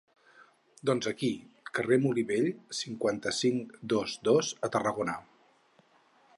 Doncs aquí: carrer Molí Vell, cinquanta-cinc, dos-dos, a Tarragona.